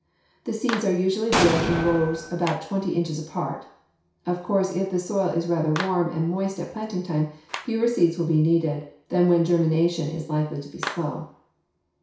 The seeds are usually drilled in rows about twenty inches apart. Of course, if the soil is rather warm and moist at planting time, fewer seeds will be needed than when germination is likely to be slow.